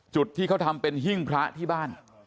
จุดที่เขาทำเป็นหิ้งพระที่บ้าน